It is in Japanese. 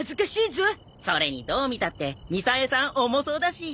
それにどう見たってみさえさん重そうだし。